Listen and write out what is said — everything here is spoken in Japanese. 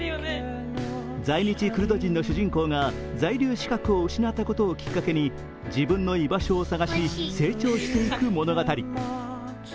在日クルド人の主人公が在留資格を失ったことをきっかけに自分の居場所を探し成長していく物語。